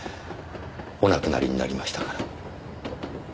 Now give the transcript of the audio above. お亡くなりになりましたから。